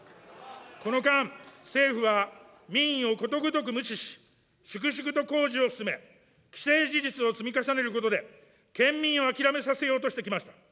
この間、政府は民意をことごとく無視し、粛々と工事を進め、既成事実を積み重ねることで、県民を諦めさせようとしてきました。